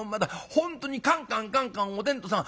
本当にカンカンカンカンおてんとさん